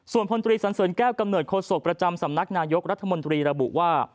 ส่วนพลตรีสันเสริญแก้วกำเนิดโศกประจำสำนักนายกรัฐมนตรีระบุว่า